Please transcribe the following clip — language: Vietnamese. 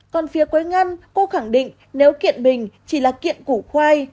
còn phía quế ngân cô khẳng định nếu kiện mình chỉ là kiện củ khoai